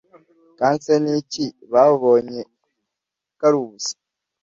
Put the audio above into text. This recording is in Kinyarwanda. kandi se ni iki babonye kari ubusa